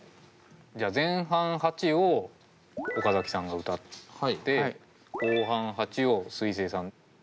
じゃあ前半８を岡崎さんが歌って後半８をすいせいさん。